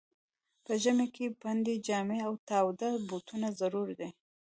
په ژمي کي پنډي جامې او تاوده بوټونه ضرور دي.